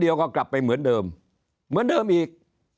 ก็กลับไปเหมือนเดิมเหมือนเดิมอีก